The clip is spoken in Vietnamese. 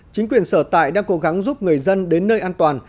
chính quyền sở tại đang cố gắng giúp người dân đến nơi an toàn